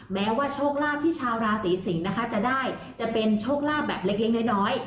แม้ว่าโชคลาภที่ชาวราศีสิงศ์นะคะจะได้จะเป็นโชคลาภแบบเล็กน้อย